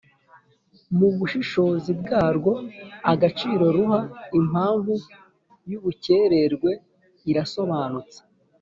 Mu bushishozi bwarwo agaciro ruha impamvu y’ubukererwe irasobanutse